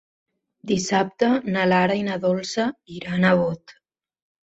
Dissabte na Lara i na Dolça iran a Bot.